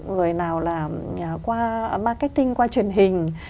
rồi nào là qua marketing qua truyền hình